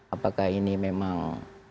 apakah ini memang